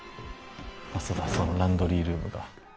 そうだそうだランドリールームだ。